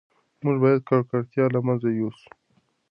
موږ باید ککړتیا له منځه یوسو.